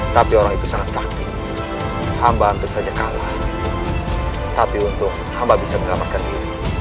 tapi orang itu sangat cakit amba hampir saja kalah tapi untung amba bisa mengelamatkan diri